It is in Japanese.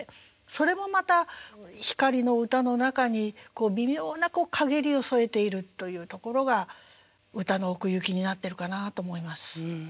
それもまた光の歌の中に微妙な陰りを添えているというところが歌の奥行きになってるかなと思います。